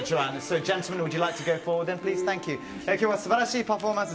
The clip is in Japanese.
素晴らしいパフォーマンス